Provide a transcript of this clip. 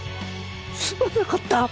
すまなかった！